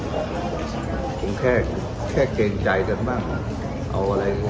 ผมแค่แค่เกรงใจกันบ้างเอาอะไร